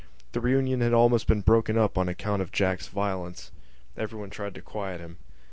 The reunion had been almost broken up on account of Jack's violence. Everyone tried to quiet him.